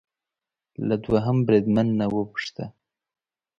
له دوهم بریدمن نه وپوښته